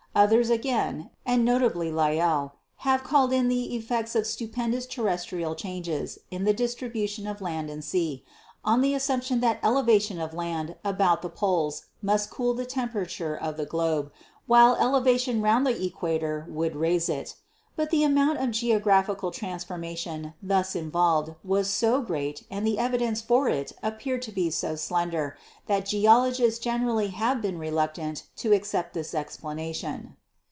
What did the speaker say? Others, again, and notably Lyell, have called in the effects of stupendous terrestrial changes in the distribution of land and sea, on the assumption that elevation of land about the poles must cool the tempera ture of the globe, while elevation round the equator would raise it. But the amount of geographical transformation thus involved was so great and the evidence for it appeared to be so slender that geologists generally have been reluc tant to accept this explanation.